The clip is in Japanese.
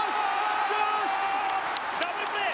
ダブルプレー！